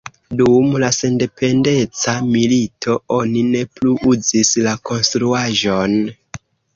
Dum la sendependeca milito oni ne plu uzis la konstruaĵon.